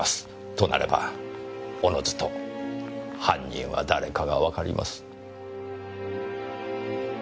となればおのずと犯人は誰かがわかります。